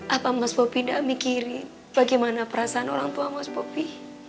apa mas bobby tidak mikirin bagaimana perasaan orang tua mas bobi